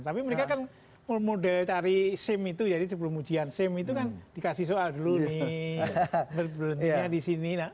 tapi mereka kan model dari sem itu jadi sebelum ujian sem itu kan dikasih soal dulu nih berbentuknya disini